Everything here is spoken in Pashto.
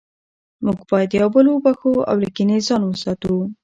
موږ باید یو بل وبخښو او له کینې ځان وساتو